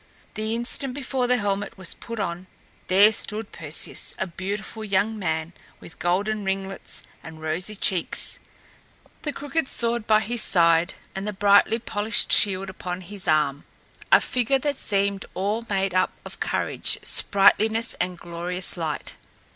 The instant before the helmet was put on, there stood Perseus, a beautiful young man, with golden ringlets and rosy cheeks, the crooked sword by his side and the brightly polished shield upon his arm a figure that seemed all made up of courage, sprightliness and glorious light.